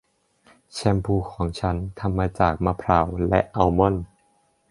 แชมพูของฉันทำมาจากมะพร้าวและอัลมอนด์